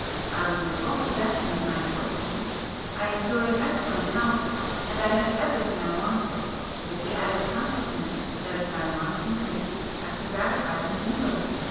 I was in full possession of my fortune,—I enjoyed excellent health, and I had everything I wanted, with the added [p 73] consciousness that if my wants increased I could gratify them easily.